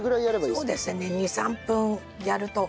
そうですね２３分やると。